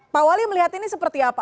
pak wali melihat ini seperti apa